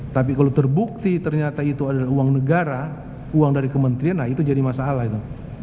tapi kalau terbukti ternyata itu adalah uang negara uang dari kementerian nah itu jadi masalah itu